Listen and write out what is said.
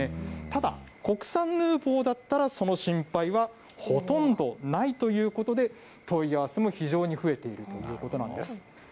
ただ、国産ヌーボーだったら、その心配はほとんどないということで、問い合わせも非常に増えているということなんです。